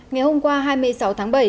ngày hôm qua hai mươi sáu tháng bảy